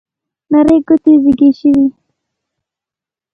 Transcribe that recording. نرۍ ګوتې زیږې شوې